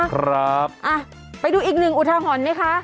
ครับไปดูอีกหนึ่งอุทาหรณ์ไหมคะ